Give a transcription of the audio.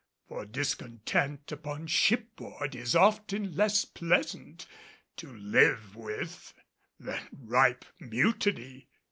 For discontent upon ship board is often less pleasant to live with than ripe mutiny.